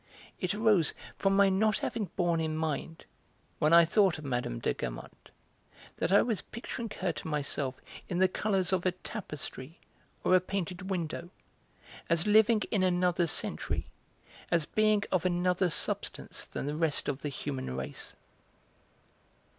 It arose from my not having borne in mind, when I thought of Mme. de Guermantes, that I was picturing her to myself in the colours of a tapestry or a painted window, as living in another century, as being of another substance than the rest of the human race.